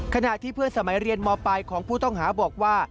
ขณะที่เพื่อนสมัยเรียนมปลายของผู้ต้องหาบอกว่า